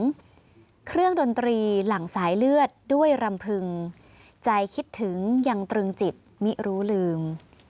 เครื่องดนตรีหลังสายเลือดด้วยรำพึงใจคิดถึงยังตรึงจิตมิรู้ลืม